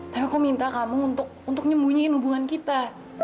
tapi aku minta kamu untuk nyembunyiin hubungan kita